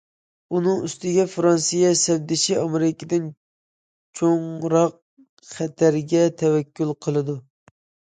ئۇنىڭ ئۈستىگە فىرانسىيە سەپدىشى ئامېرىكىدىن چوڭراق خەتەرگە تەۋەككۈل قىلىدۇ.